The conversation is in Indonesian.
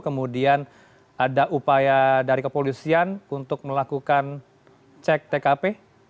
kemudian ada upaya dari kepolisian untuk melakukan cek tkp